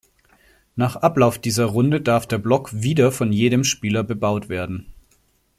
Nach Ablauf dieser Runde darf der Block wieder von jedem Spieler bebaut werden.